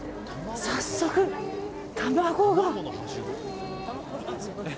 早速、卵が。